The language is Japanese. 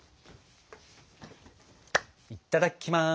いただきます！